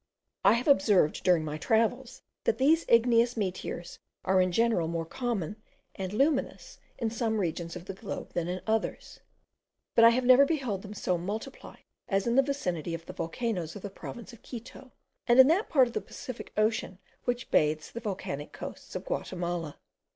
I have observed during my travels, that these igneous meteors are in general more common and luminous in some regions of the globe than in others; but I have never beheld them so multiplied as in the vicinity of the volcanoes of the province of Quito, and in that part of the Pacific ocean which bathes the volcanic coasts of Guatimala.